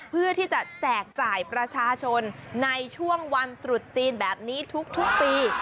เพื่อที่จะแจกจ่ายประชาชนในช่วงวันตรุษจีนแบบนี้ทุกปี